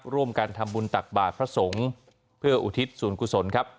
ร่วมกันทำบุญตักบาทพระสงฆ์เพื่ออุทิศส่วนกุศลครับ